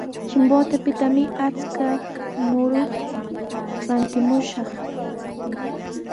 Chimbotepitami akshu muru rantimushaq.